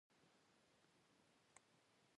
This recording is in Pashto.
زه مستری ته ځم